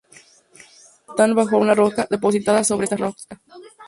Estos están bajo una roca, depositada sobre otras rocas.